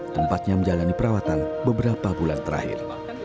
tempatnya menjalani perawatan beberapa bulan terakhir